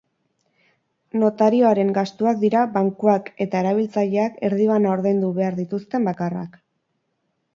Notarioaren gastuak dira bankuak eta erabiltzaileak erdibana ordaindu behar dituzten bakarrak.